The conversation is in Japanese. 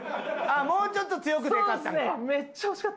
もうちょっと強くてよかったんか。